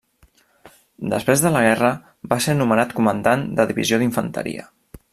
Després de la guerra, va ser nomenat comandant de divisió d'infanteria.